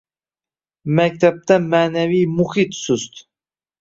Maktabda ma’naviy muhit sust.